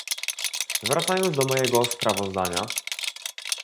Wracając do mojego sprawozdania